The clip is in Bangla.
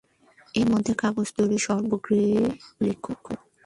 এর মধ্যে কাগজ তৈরি সর্বাগ্রে উল্লেখ্য।